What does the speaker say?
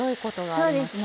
そうですね